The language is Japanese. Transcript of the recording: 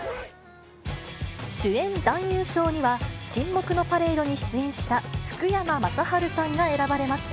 主演男優賞には、沈黙のパレードに出演した福山雅治さんが選ばれました。